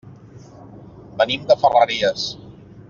Venim de Ferreries.